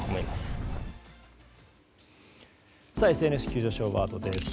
ＳＮＳ急上昇ワードです。